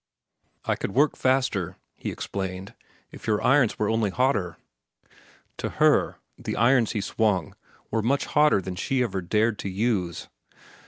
"I could work faster," he explained, "if your irons were only hotter." To her, the irons he swung were much hotter than she ever dared to use.